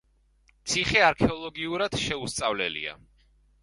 ციხე არქეოლოგიურად შეუსწავლელია.